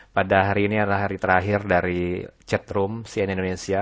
pada hari ini adalah hari terakhir dari chatroom cnn indonesia